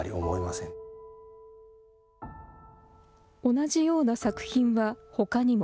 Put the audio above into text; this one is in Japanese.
同じような作品はほかにも。